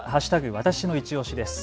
わたしのいちオシです。